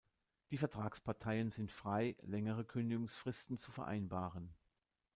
Die Vertragsparteien sind frei, längere Kündigungsfristen zu vereinbaren.